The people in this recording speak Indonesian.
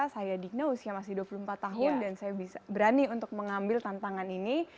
saya digna usia masih dua puluh empat tahun dan saya berani untuk mengambil tantangan ini